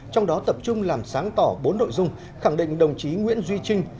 trong đó tập trung làm sáng tỏ bốn nội dung khẳng định đồng chí nguyễn duy trinh